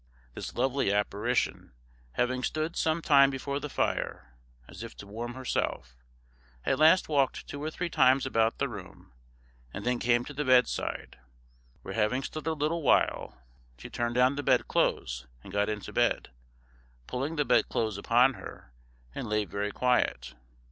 This lovely apparition, having stood some time before the fire, as if to warm herself, at last walked two or three times about the room, and then came to the bedside, where having stood a little while, she turned down the bed clothes and got into bed, pulling the bed clothes upon her, and lay very quiet.